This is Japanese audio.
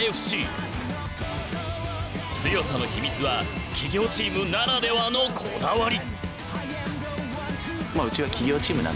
強さの秘密は企業チームならではのこだわり。